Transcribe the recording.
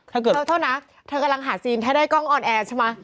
เธอกำลังหาซีนแท้ด้วยกล้องออนแอร์ใช่มะ